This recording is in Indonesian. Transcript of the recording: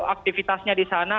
aktivitasnya di sana